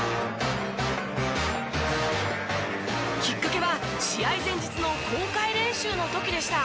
きっかけは試合前日の公開練習の時でした。